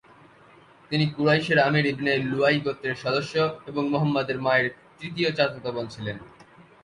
তিনি কুরাইশের Amir ibn Luayy গোত্রের সদস্য এবং মুহাম্মাদের মায়ের তৃতীয় চাচাতো বোন ছিলেন।